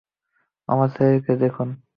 আমার ছেলেকে দেখুন!